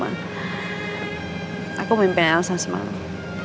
aku mimpin elsa semangat